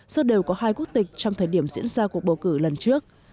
do đều có hai quốc tịch trong thời điểm diễn ra cuộc bầu cử lần trước